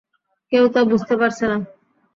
কেউ তা বুঝতে পারছে না।